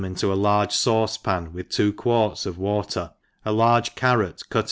into a large fauce^ pan with two quarts of water, a large carrot cut m.